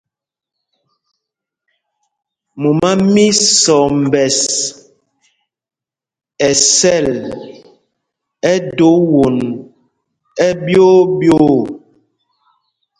Mumá mí Sɔmbɛs ɛ sɛl, ɛ do won ɛɓyoo ɓyoo.